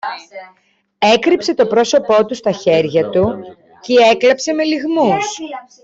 έκρυψε το πρόσωπο του στα χέρια του κι έκλαψε με λυγμούς.